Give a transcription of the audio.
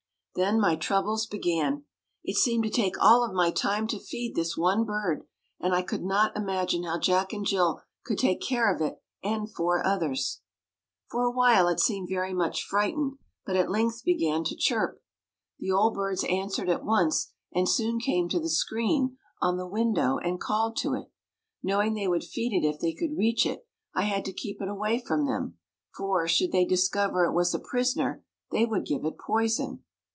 Then my troubles began. It seemed to take all of my time to feed this one bird, and I could not imagine how Jack and Jill could take care of it and four others. For awhile it seemed very much frightened, but at length began to chirp. The old birds answered at once and soon came to the screen on the window and called to it. Knowing they would feed it if they could reach it I had to keep it away from them, for, should they discover it was a prisoner, they would give it poison.